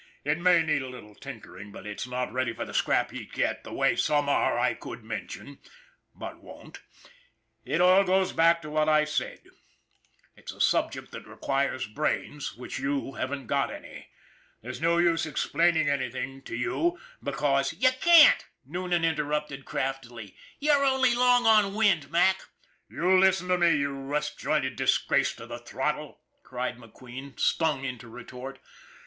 " It may need a little tinkering, but it's not ready for the scrap heap yet, the way some are I could mention but won't. It all goe back to what I said. It's a subject 282 ON THE IRON AT BIG CLOUD that requires brains which you haven't got. There's no use explaining anything to you because " You can't," Noonan interrupted craftily. " You're only long on wind, Mac." " You listen to me, you rust jointed disgrace to the throttle !" cried McQueen, stung into retort.